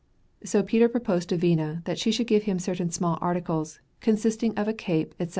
So Peter proposed to Vina, that she should give him certain small articles, consisting of a cape, etc.